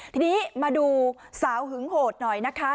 ทีนี้มาดูสาวหึงโหดหน่อยนะคะ